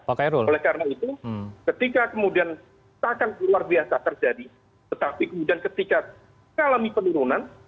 oleh karena itu ketika kemudian ketakan luar biasa terjadi tetapi kemudian ketika mengalami penurunan